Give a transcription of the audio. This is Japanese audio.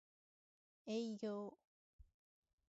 営業